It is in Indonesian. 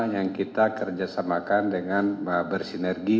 yang kita kerjasamakan dengan bersinergi